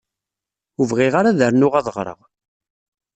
Ur bɣiɣ ara ad rnuɣ ad ɣṛeɣ.